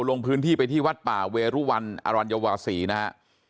ลงพื้นที่ไปที่วัดป่าเวรุวันอรรันย๑๙๖๗นะครับ